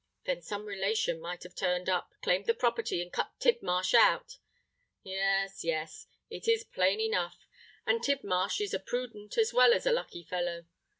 Then some relation might have turned up, claimed the property, and cut Tidmarsh out. Yes—yes; it is plain enough—and Tidmarsh is a prudent as well as a lucky fellow!